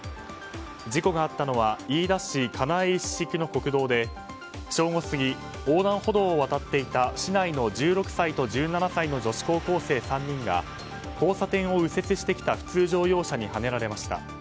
事故があったのは飯田市鼎一色の国道で正午過ぎ、横断歩道を渡っていた市内の１６歳と１７歳の女子高校生３人が交差点を右折してきた普通乗用車にはねられました。